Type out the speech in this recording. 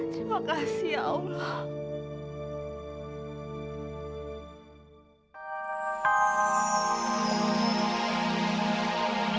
terima kasih allah